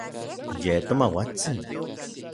Ye tomauatsin.